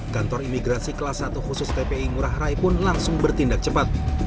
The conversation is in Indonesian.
kantor imigrasi kelas satu khusus tpi ngurah rai pun langsung bertindak cepat